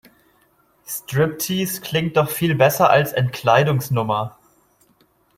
Striptease klingt doch viel besser als Entkleidungsnummer.